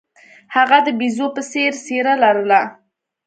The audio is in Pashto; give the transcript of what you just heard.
هغه د بیزو په څیر څیره لرله.